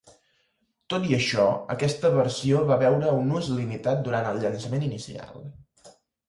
Tot i això, aquesta versió va veure un ús limitat durant el llançament inicial.